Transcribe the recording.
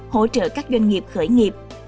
hỗ trợ các doanh nghiệp khởi nghiệp